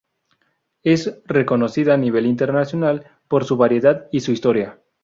Es reconocida a nivel internacional por su variedad y su historia.